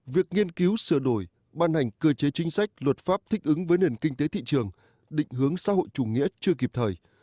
việc nghiên cứu sửa đổi ban hành cơ chế chính sách luật pháp thích ứng với nền kinh tế thị trường định hướng xã hội chủ nghĩa chưa kịp thời